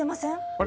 あれ？